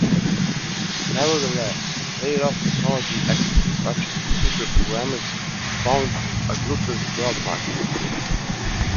Nevertheless, laid-off technology experts, such as computer programmers, found a glutted job market.